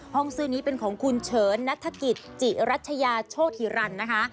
ซื้อนี้เป็นของคุณเฉินนัฐกิจจิรัชยาโชธิรันนะคะ